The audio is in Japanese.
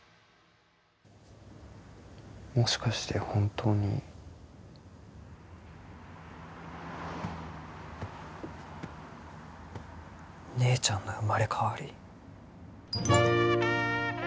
もしかして本当に姉ちゃんの生まれ変わり